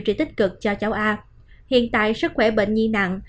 trị tích cực cho cháu a hiện tại sức khỏe bệnh nhi nặng